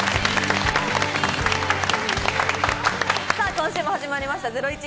今週も始まりました『ゼロイチ』。